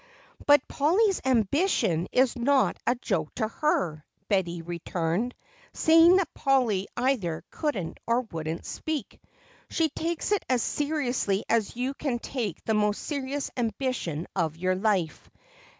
"But Polly's ambition is not a joke to her," Betty returned, seeing that Polly either couldn't or wouldn't speak. "She takes it as seriously as you can take the most serious ambition of your life.